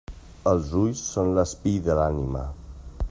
Els ulls són l'espill de l'ànima.